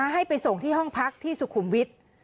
ให้ไปส่งที่ห้องพักที่สุขุมวิทย์